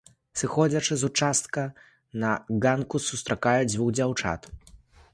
Сыходзячы з участка на ганку сустракаю дзвюх дзяўчат.